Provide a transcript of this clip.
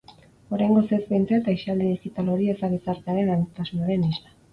Oraingoz ez, behintzat, aisialdi digital hori ez da gizartearen aniztasunaren isla.